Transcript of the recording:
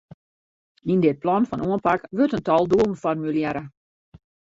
Yn dit plan fan oanpak wurdt in tal doelen formulearre.